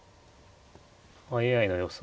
ＡＩの予想